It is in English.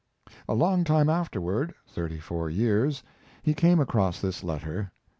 ] A long time afterward, thirty four year, he came across this letter.